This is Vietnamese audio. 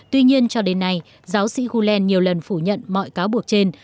tuy nhiên cho đến nay giáo sĩ gulen nhiều lần phủ nhận mọi cáo buộc trên